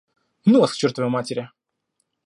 Ну вас к чертовой матери